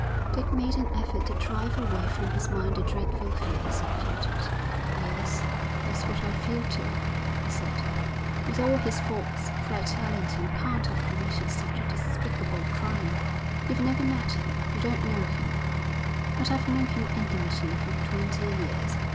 Dick made an effort to drive away from his mind the dreadful fears that filled it. 'Yes, that's what I feel, too,' he said. 'With all his faults Fred Allerton can't have committed such a despicable crime. You've never met him, you don't know him; but I've known him intimately for twenty years.